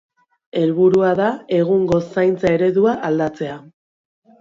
Helburua da egungo zaintza eredua aldatzea.